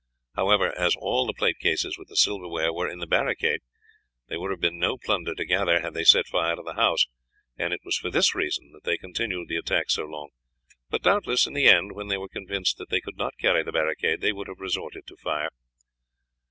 However, as all the plate cases with the silverware were in the barricade, there would have been no plunder to gather had they set fire to the house, and it was for this reason that they continued the attack so long; but doubtless in the end, when they were convinced that they could not carry the barricade, they would have resorted to fire."